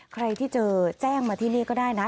ใครที่เจอแจ้งมาที่นี่ก็ได้นะ